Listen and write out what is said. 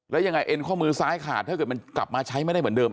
แล้วยังไงเอ็นข้อมือซ้ายขาดถ้าเกิดมันกลับมาใช้ไม่ได้เหมือนเดิม